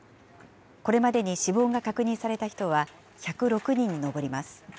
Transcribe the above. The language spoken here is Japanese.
これまでに死亡が確認された人は１０６人に上ります。